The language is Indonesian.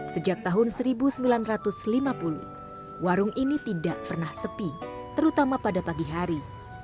sejak tahun seribu sembilan ratus lima puluh warung ini tidak pernah sepi terutama pada pagi hari